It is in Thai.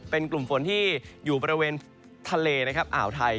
เป็นกลุ่มฝนที่อยู่บริเวณทะเลนะครับอ่าวไทย